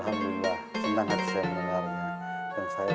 alhamdulillah senang hati saya mendengarnya